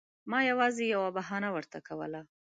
ما یوازې یوه بهانه ورته کوله.